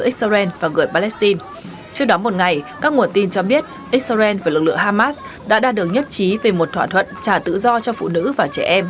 trước đó một ngày các nguồn tin cho biết israel và lực lượng hamas đã đạt được nhất trí về một thỏa thuận trả tự do cho phụ nữ và trẻ em